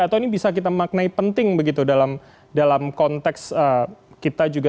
atau ini bisa kita maknai penting begitu dalam konteks kita juga